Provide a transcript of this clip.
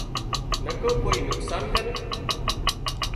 نڪو ڪوئي نقصان ڪري